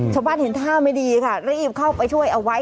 ชาวบ้านเห็นท่าไม่ดีค่ะรีบเข้าไปช่วยเอาไว้